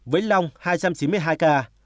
vĩnh long hai trăm chín mươi hai ca